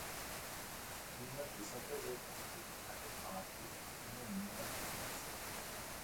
C'est une image de synthèse, reconstruite atome par atome et non une image enregistrée.